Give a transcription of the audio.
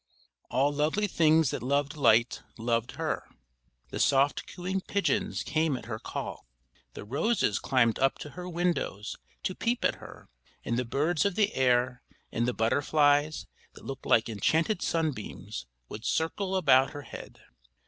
All lovely things that loved light, loved her. The soft cooing pigeons came at her call. The roses climbed up to her windows to peep at her, and the birds of the air, and the butterflies, that looked like enchanted sunbeams, would circle about her head.